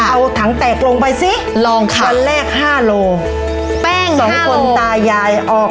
เอาถังแตกลงไปสิลองค่ะวันแรกห้าโลแป้งสองคนตายายออก